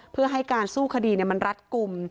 เพื่อให้การสู้คดีมันรัดกลุ่ม